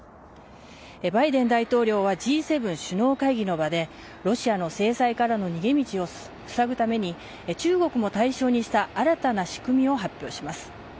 バイデン大統領はＧ７首脳会議の場でロシアの制裁からの逃げ道をふさぐために中国も対象にした新たな仕組みを発表します。